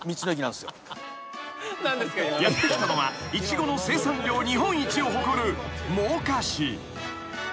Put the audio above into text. ［やって来たのはイチゴの生産量日本一を誇る真岡市］